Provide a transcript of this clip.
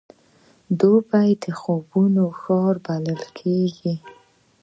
دوبی د خوبونو ښار بلل کېږي.